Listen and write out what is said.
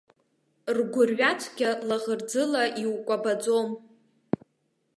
Ргәырҩа цәгьа лаӷырӡыла иукәабаӡом.